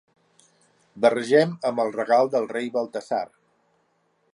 Barregem amb el regal del rei Baltasar.